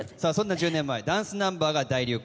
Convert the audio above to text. １０年前はダンスナンバーが大流行。